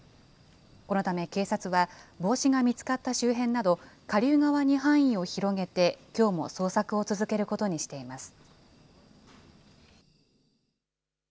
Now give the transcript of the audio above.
このため警察は、帽子が見つかった周辺など、下流側に範囲を広げて、きょうも捜索を続けることにしています。